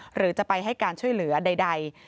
หรือจะไปให้การช่วยเหลือใด